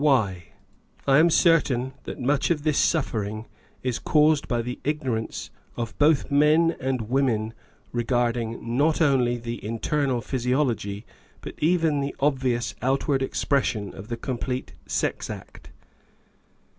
Why ? I am certain that much of this suffering is caused by the ignorance of both men and women regarding not only the inner physiology, but even the obvious outward expression, of the complete sex act.